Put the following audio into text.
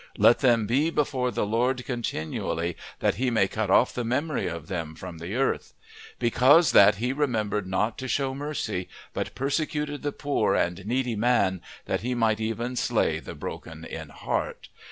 "Let them be before the Lord continually, that he may cut off the memory of them from the earth. "Because that he remembered not to show mercy, but persecuted the poor and needy man, that he might even slay the broken in heart.